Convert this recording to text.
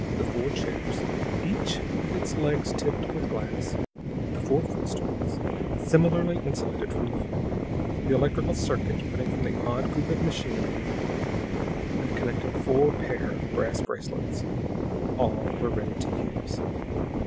The four chairs, each with its legs tipped with glass; the four footstools, similarly insulated from the floor; the electrical circuit running from the odd group of machinery in the corner, and connecting four pair of brass bracelets all were ready for use.